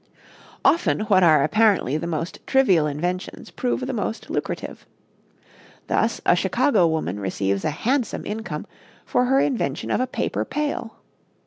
Often what are apparently the most trivial inventions prove the most lucrative. Thus, a Chicago woman receives a handsome income for her invention of a paper pail.